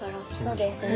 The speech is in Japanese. そうですね。